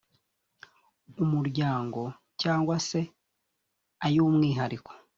umuryango cyangwa se ay umwihariko